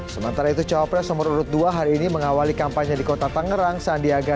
sementara itu cawapres nomor urut dua hari ini mengawali kampanye di kota tangerang sandiaga